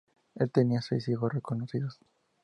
Él tenía seis hijos reconocidos.